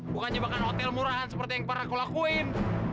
bukan jebakan hotel murahan seperti yang pernah kulakuin